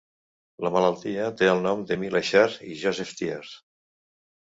La malaltia té el nom d'Émile Achard i Joseph Thiers.